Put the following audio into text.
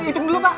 itung dulu pak